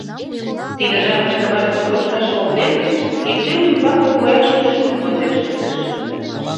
Тиде жапыште ватыже кочкаш шолтен, ӱстел ӱмбаке коя шыл шӱрым конден шындыш.